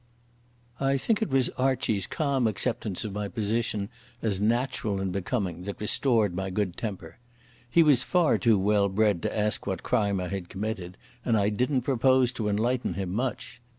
I think it was Archie's calm acceptance of my position as natural and becoming that restored my good temper. He was far too well bred to ask what crime I had committed, and I didn't propose to enlighten him much.